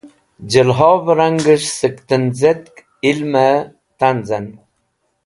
Jẽlhovẽ ranges̃h sẽk tẽnzetk ilmẽ tanzẽn.